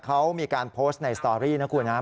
เขามีการโพสต์ในสตอรี่นะครับ